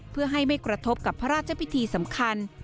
เพื่อให้ไม่กระทบกับพระราชพิธีสำคัญ